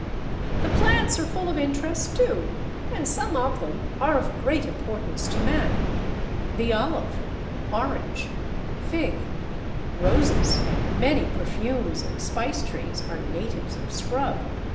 The plants are full of interest too, and some of them are of great importance to man. The Olive, Orange, Fig, Roses, and many perfumes and spice trees, are natives of scrub.